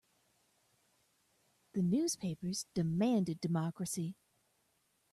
The newspapers demanded democracy.